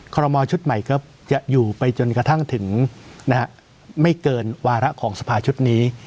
รมอลชุดใหม่ก็จะอยู่ไปจนกระทั่งถึงไม่เกินวาระของสภาชุดนี้